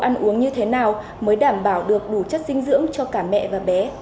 ăn uống như thế nào mới đảm bảo được đủ chất dinh dưỡng cho cả mẹ và bé